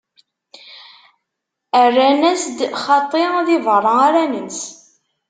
Rran-as-d: Xaṭi, di beṛṛa ara nens.